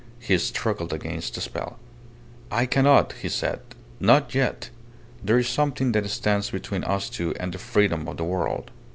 He struggled against the spell. "I cannot," he said. "Not yet. There is something that stands between us two and the freedom of the world."